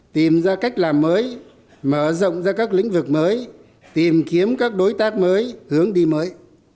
tìm ra cách làm mới mở rộng ra các lĩnh vực mới tìm kiếm các đối tác mới hướng đi mới